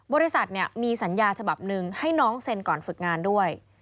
บริษัทมีสัญญาฉบับหนึ่งให้น้องเซ็นก่อนฝึกงานด้วย